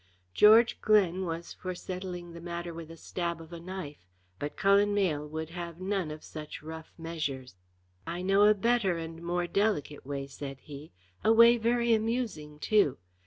George Glen was for settling the matter with the stab of a knife, but Cullen Mayle would have none of such rough measures. "I know a better and more delicate way," said he, "a way very amusing too.